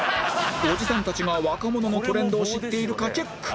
おじさんたちが若者のトレンドを知っているかチェック！